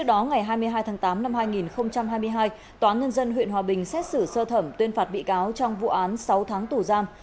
tòa án nhân dân huyện hòa bình xét xử sơ thẩm tuyên phạt bị cáo trong vụ án sáu tháng tù giam